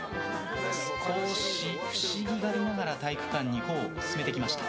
少し不思議がりながら体育館に入ってきました。